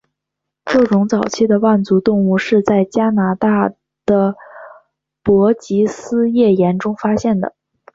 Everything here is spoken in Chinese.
这种早期的腕足动物是在加拿大的伯吉斯页岩中发现的。